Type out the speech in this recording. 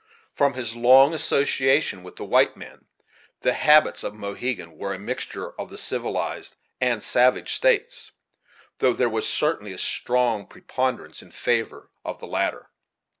From his long association with the white men, the habits of Mohegan were a mixture of the civilized and savage states, though there was certainly a strong preponderance in favor of the latter.